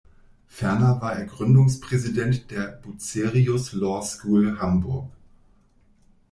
Ferner war er Gründungspräsident der Bucerius Law School Hamburg.